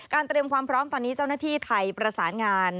เตรียมความพร้อมตอนนี้เจ้าหน้าที่ไทยประสานงาน